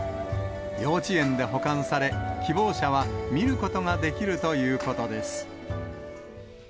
幼稚園で保管され、希望者は見ることができるということです。